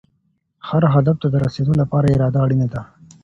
هر هدف ته د رسېدو لپاره اراده اړینه ده.